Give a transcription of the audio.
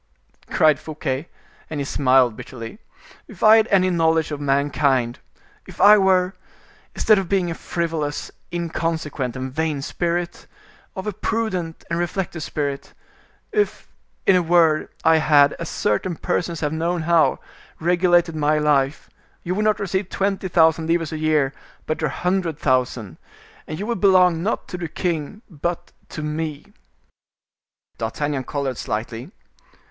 cried Fouquet, and he smiled bitterly. "If I had any knowledge of mankind, if I were—instead of being a frivolous, inconsequent, and vain spirit—of a prudent and reflective spirit; if, in a word, I had, as certain persons have known how, regulated my life, you would not receive twenty thousand livres a year, but a hundred thousand, and you would belong not to the king but to me." D'Artagnan colored slightly.